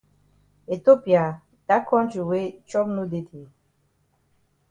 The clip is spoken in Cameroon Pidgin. Ethiopia! Dat kontri wey chop no dey dey?